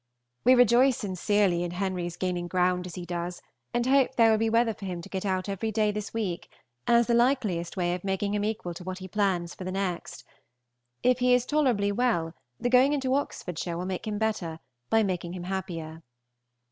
We rejoice sincerely in Henry's gaining ground as he does, and hope there will be weather for him to get out every day this week, as the likeliest way of making him equal to what he plans for the next. If he is tolerably well, the going into Oxfordshire will make him better, by making him happier.